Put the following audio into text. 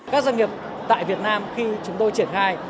các doanh nghiệp tại việt nam khi chúng tôi triển khai